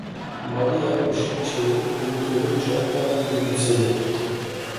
Maria başını çevirip beni görünce, hemen gülümsedi.